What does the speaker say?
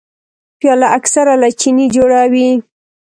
پیاله اکثره له چیني جوړه وي.